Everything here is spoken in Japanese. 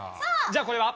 じゃあこれは？